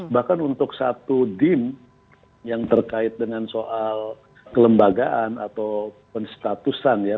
bahkan untuk satu dim yang terkait dengan soal kelembagaan atau penstatusan ya